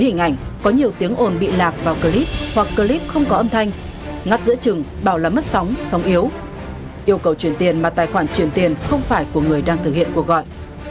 ngắt giữa trừng bảo là mất sóng sóng yếu yêu cầu chuyển tiền mà tài khoản chuyển tiền không phải của người đang thực hiện cuộc gọi